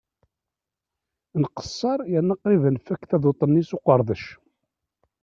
Nqesser yerna qrib ad nfakk taduṭ-nni s uqerdec.